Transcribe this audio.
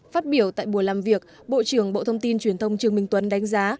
phát biểu tại buổi làm việc bộ trưởng bộ thông tin truyền thông trương minh tuấn đánh giá